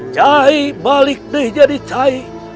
cahai balik deh jadi cahai